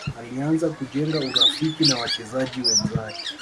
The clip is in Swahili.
alianza kujenga urafiki na wachezaji wenzake